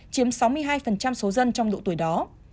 chiếm sáu mươi hai số dân trong độ tuổi đó